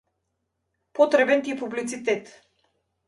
Потребен ти е публицитет.